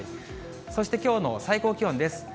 そしてきょうの最高気温です。